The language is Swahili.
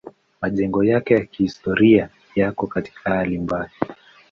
Majengo yake ya kihistoria yako katika hali mbaya.